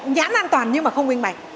nhãn an toàn nhưng mà không minh bạch